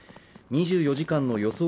２４時間の予想